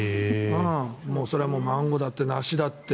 それはマンゴーだって梨だって。